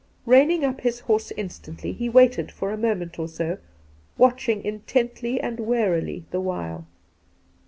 Eeining up his horse instantly, he waited for a moment or so, watching intently and warily the while.